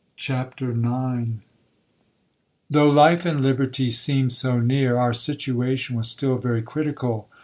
CHAPTER IX 'Though life and liberty seemed so near, our situation was still very critical.